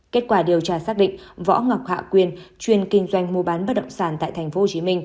kết quả điều tra xác định võ ngọc hạ quyền chuyên kinh doanh mua bán bất động sản tại tp hcm